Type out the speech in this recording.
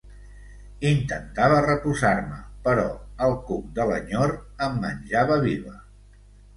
Intentava reposar-me, però el cuc de l'enyor em menjava viva.